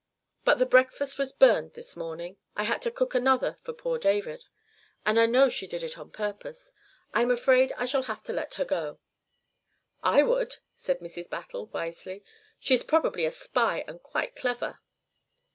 But the breakfast was burned this morning I had to cook another for poor David and I know she did it on purpose. I am afraid I shall have to let her go." "I would," said Mrs. Battle, wisely. "She is probably a spy and quite clever."